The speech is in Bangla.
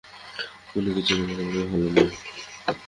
কোন কিছুরই বাড়াবাড়ি ভাল নয়।